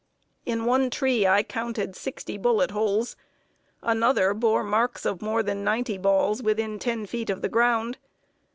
In one tree I counted sixty bullet holes; another bore marks of more than ninety balls within ten feet of the ground.